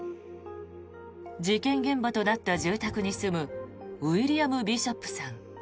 事件現場となった住宅に住むウィリアム・ビショップさん